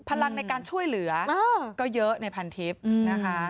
พลังในการช่วยเหลือก็เยอะในพันทิพย์นะคะ